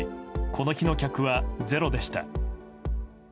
この日の客はゼロでした。